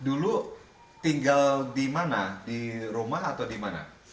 dulu tinggal di mana di rumah atau di mana